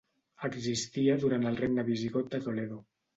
Existia durant el regne visigot de Toledo.